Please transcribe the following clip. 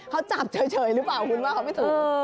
เขาจับเฉยหรือเปล่าคุณว่าเขาไม่ถูก